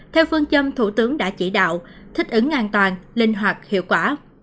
theo phương châm thủ tướng đã chỉ đạo thích ứng an toàn linh hoạt hiệu quả